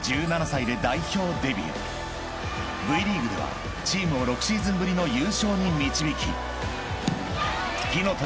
［Ｖリーグではチームを６シーズンぶりの優勝に導き火の鳥